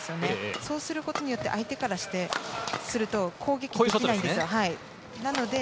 そうすることによって相手からすると攻撃できないんです。